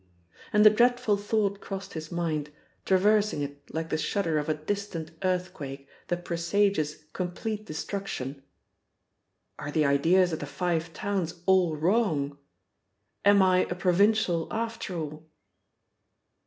And the dreadful thought crossed his mind, traversing it like the shudder of a distant earthquake that presages complete destruction: "Are the ideas of the Five Towns all wrong? Am I a provincial after all?"